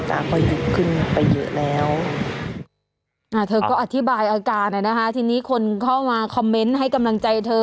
ตาก็ยุบขึ้นไปเยอะแล้วอ่าเธอก็อธิบายอาการอ่ะนะคะทีนี้คนเข้ามาคอมเมนต์ให้กำลังใจเธอ